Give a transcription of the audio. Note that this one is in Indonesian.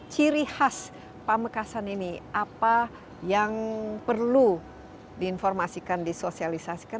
ciri khas pamekasan ini apa yang perlu diinformasikan disosialisasikan